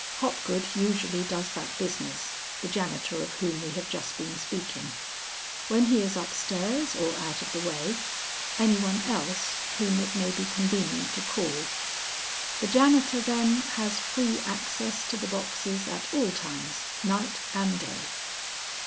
"Hopgood usually does that business, the janitor of whom we have just been speaking. When he is upstairs or out of the way, any one else whom it may be convenient to call." "The janitor, then, has free access to the boxes at all times, night and day?"